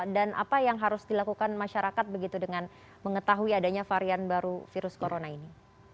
dan apa yang harus dilakukan masyarakat begitu dengan mengetahui adanya varian baru virus corona ini